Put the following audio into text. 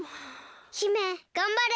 姫がんばれ。